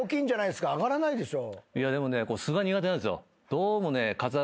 あがらないでしょ。